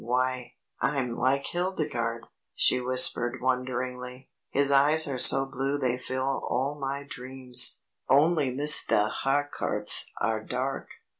"Why, I'm like Hildegarde!" she whispered wonderingly. "'His eyes are so blue they fill all my dreams!' Only Mistah Harcourt's are dark."